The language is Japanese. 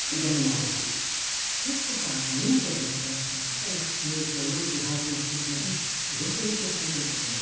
私徹子さんがＵＮＩＣＥＦやっていらっしゃるニュースをよく拝見していてすごく影響されていると思います。